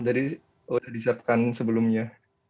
jadi sudah disiapkan sebelumnya